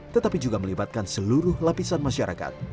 tetapi juga melibatkan seluruh lapisan masyarakat